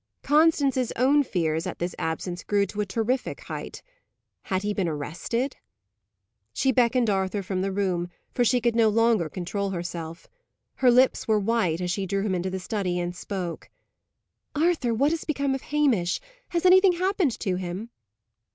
Constance's own fears at this absence grew to a terrific height. Had he been arrested? She beckoned Arthur from the room, for she could no longer control herself. Her lips were white, as she drew him into the study, and spoke. "Arthur, what has become of Hamish? Has anything happened to him?"